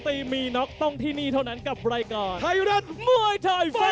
เพื่อรักษาตัวตัวต่อสำหรับตัวตัวสำหรับตัวตัว